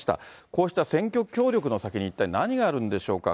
こうした選挙協力の先に、一体何があるんでしょうか。